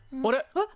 えっ？